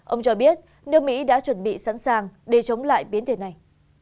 ông cho biết nước mỹ đã chuẩn bị sẵn sàng để chống lại biến thể này